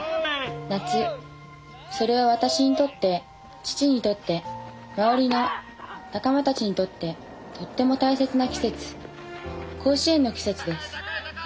夏それは私にとって父にとって周りの仲間たちにとってとっても大切な季節甲子園の季節です。